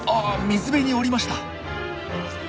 水辺に降りました。